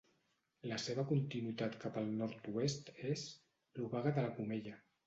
La seva continuïtat cap al nord-oest és l'Obaga de la Comella.